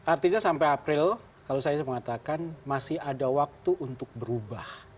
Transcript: artinya sampai april kalau saya mengatakan masih ada waktu untuk berubah